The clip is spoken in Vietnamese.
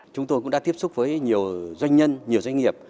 chúng tôi cũng đã tiếp xúc với nhiều doanh nhân nhiều doanh nghiệp